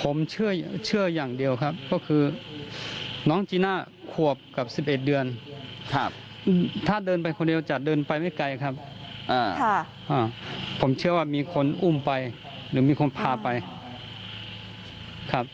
ผมเชื่ออย่างเดียวครับก็คือน้องจีน่าขวบกับ๑๑เดือนถ้าเดินไปคนเดียวจะเดินไปไม่ไกลครับผมเชื่อว่ามีคนอุ้มไปหรือมีคนพาไปครับ